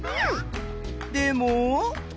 でも？